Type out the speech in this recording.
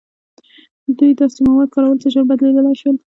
دوی داسې مواد کارول چې ژر بدلیدلی شول.